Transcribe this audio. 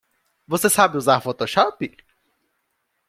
Você sabe usar o Photoshop?